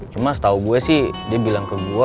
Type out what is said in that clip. cuma setahu gue sih dia bilang ke gue